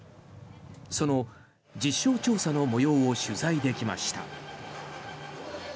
その実証調査の模様を取材できました。